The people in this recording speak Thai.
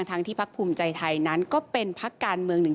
ที่พักภูมิใจไทยนั้นก็เป็นพักการเมืองหนึ่ง